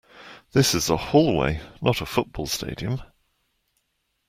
This is a hallway, not a football stadium!